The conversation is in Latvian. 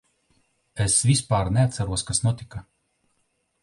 Es vispār neatceros, kas notika.